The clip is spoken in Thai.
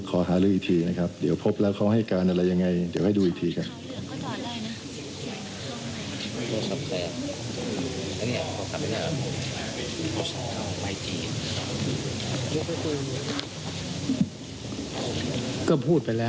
ก็พูดไปแล้วไปคิดเอานะครับ